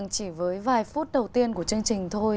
chỉ với vài phút đầu tiên của chương trình thôi